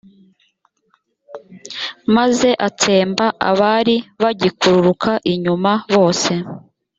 maze atsemba abari bagikururuka inyuma bose;